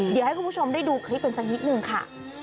เดี๋ยวให้คุณผู้ชมได้ดูคลิปกันสักนิดนึงค่ะ